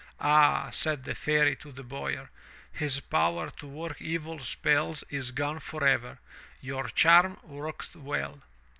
"Ah,*' said the Fairy to the Boyar, *'his power to work evil spells is gone forever. Your charm worked well."